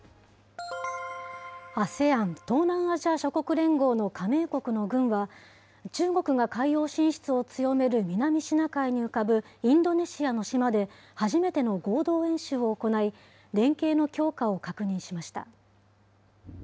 ＡＳＥＡＮ・東南アジア諸国連合の加盟国の軍は、中国が海洋進出を強める南シナ海に浮かぶインドネシアの島で、初めての合同演習を行い、連携の強化を確認しました。